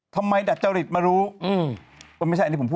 ทำไมดัดเจ้าหริตมารู้